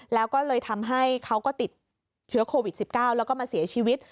แล้วก็เลยทำให้เขาก็ติดเชื้อโควิด๑๙แล้วก็มาเสียชีวิต